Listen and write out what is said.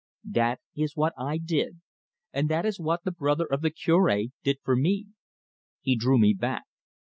That is what I did, and that is what the brother of the Cure did for me. He drew me back.